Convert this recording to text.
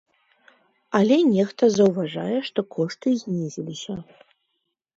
Але нехта заўважае, што кошты знізіліся.